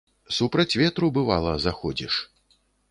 Супраць ветру, бывала, заходзіш.